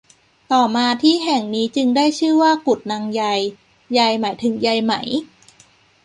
ต่อมาที่แห่งนี้จึงได้ชื่อว่ากุดนางใย ใยหมายถึงใยไหม